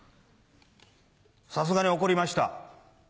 さすがに怒りました。